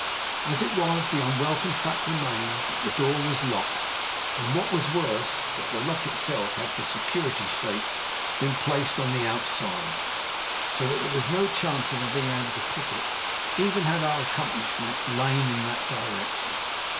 As it was, the unwelcome fact remained that the door was locked, and, what was worse, that the lock itself had, for security's sake, been placed on the outside, so that there was no chance of our being able to pick it, even had our accomplishments lain in that direction.